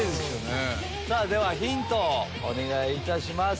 ではヒントをお願いいたします。